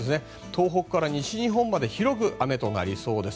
東北から西日本まで広く雨となりそうです。